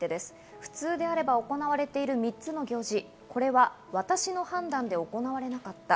普通であれば行われている三つの行事、これは私の判断で行わなかった。